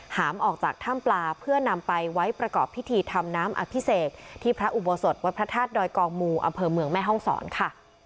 หามออกจากถ้ำปลาเพื่อนำไปไว้ประกอบพิธีทำน้ำอภิเษกที่พระอุโบสถวัดพระธาตุดอยกองมูอำเภอเมืองแม่ห้องศรค่ะ